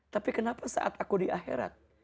tapi kenapa saat aku di akhirat